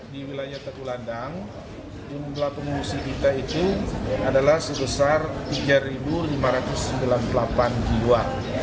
di wilayah tetulandang jumlah pengungsi kita itu adalah sebesar tiga lima ratus sembilan puluh delapan jiwa